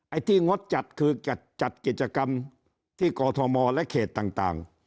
ไอ้ที่งดจัดคือจัดกิจกรรมที่กอทมและเขตต่าง